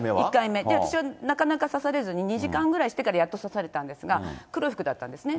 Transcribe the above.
それで私はなかなか指されずに、２時間ぐらいしてからやっと指されたんですが、黒い服だったんですね。